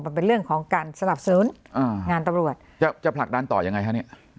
มันเป็นเรื่องของการสนับสนุนอ่างานตำรวจจะจะผลักดันต่อยังไงฮะเนี่ย